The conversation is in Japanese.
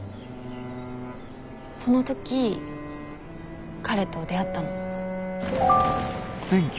その時彼と出会ったの。